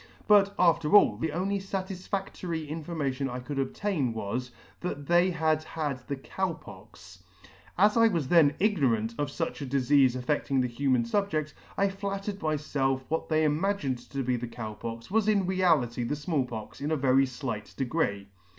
But after all, the only fatisfadtory information I could obtain was, that they had had the Cow Pox. As I was then ignorant of fuch a difeafe affedting the human fubjedt, I flattered myfelf what they imagined to be the Cow Pox was in reality the Small R 2 Pox C *24 ] Pox in a very flight degree.